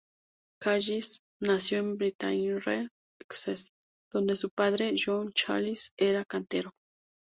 Challis nació en Braintree, Essex, donde su padre, John Challis, era cantero.